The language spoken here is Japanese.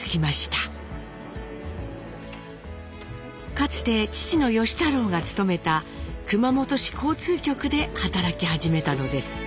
かつて父の芳太郎が勤めた熊本市交通局で働き始めたのです。